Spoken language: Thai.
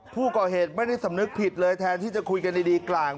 ผู้ก่อเหตุไม่ได้สำนึกผิดเลยแทนที่จะคุยกันดีกลาง